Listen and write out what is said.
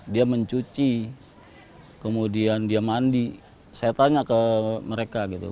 dia mencuci kemudian dia mandi saya tanya ke mereka gitu